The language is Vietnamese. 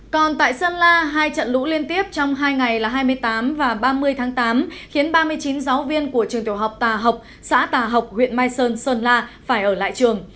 còn tại sơn la hai trận lũ liên tiếp trong hai ngày là hai mươi tám và ba mươi tháng tám khiến ba mươi chín giáo viên của trường tiểu học tà học xã tà học huyện mai sơn sơn la phải ở lại trường